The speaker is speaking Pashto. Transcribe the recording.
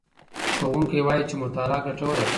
ښوونکی وایي چې مطالعه ګټوره ده.